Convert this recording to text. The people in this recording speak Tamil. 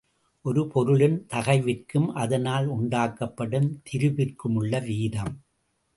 ஒரு பொருளின் தகைவிற்கும் அதனால் உண்டாக்கப்படும் திரிபிற்குமுள்ள வீதம்.